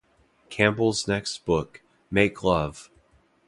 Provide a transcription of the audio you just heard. Campbell's next book, Make Love!